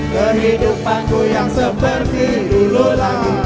kehidupanku yang seperti dulu lagi